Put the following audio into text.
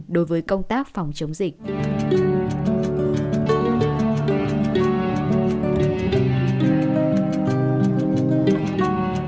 đối với công tác phòng chống dịch